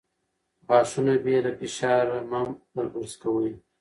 غاښونه بې له فشار مه برس کوئ.